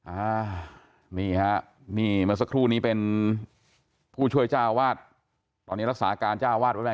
อ่านี่ฮะนี่เมื่อสักครู่นี้เป็นผู้ช่วยเจ้าวาดตอนนี้รักษาการเจ้าวาดไว้แล้ว